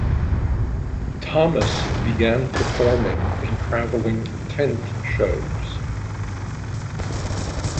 Thomas began performing in traveling tent shows.